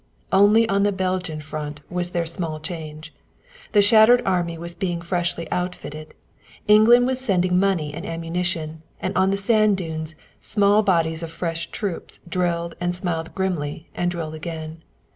Only on the Belgian Front was there small change. The shattered army was being freshly outfitted. England was sending money and ammunition, and on the sand dunes small bodies of fresh troops drilled and smiled grimly and drilled again.